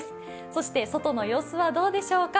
そして外の様子はどうでしょうか。